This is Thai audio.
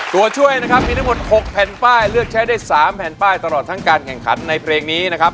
ตัวช่วยนะครับมีทั้งหมด๖แผ่นป้ายเลือกใช้ได้๓แผ่นป้ายตลอดทั้งการแข่งขันในเพลงนี้นะครับ